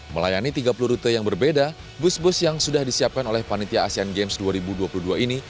melayani tiga puluh rute yang berbeda bus bus yang sudah disiapkan oleh panitia asean games dua ribu dua puluh dua ini